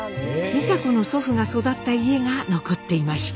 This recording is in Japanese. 美佐子の祖父が育った家が残っていました。